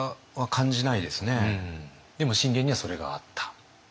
でも信玄にはそれがあった。